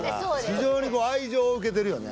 非常にこう愛情を受けてるよね